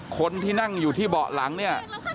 คนที่นั่งอยู่ที่เบาะหลังเนี่ย